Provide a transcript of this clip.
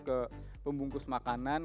ke pembungkus makanan